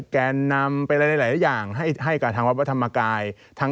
แกนนำเป็นอะไรหลายอย่างให้กับทางวัดพระธรรมกาย